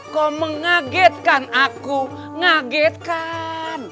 kok mengagetkan aku ngagetkan